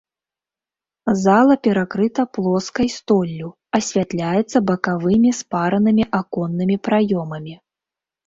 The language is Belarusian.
Зала перакрыта плоскай столлю, асвятляецца бакавымі спаранымі аконнымі праёмамі.